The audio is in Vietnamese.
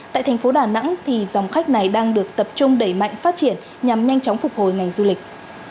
tại thành phố đà nẵng dòng khách này đang được tập trung đẩy mạnh phát triển nhằm nhanh chóng phục hồi ngành du lịch